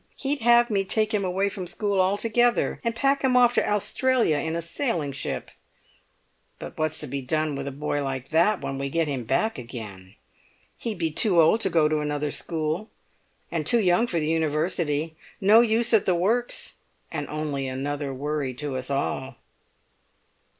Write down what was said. He'd have me take him away from school altogether, and pack him off to Australia in a sailing ship. But what's to be done with a boy like that when we get him back again? He'd be too old to go to another school, and too young for the University: no use at the works, and only another worry to us all."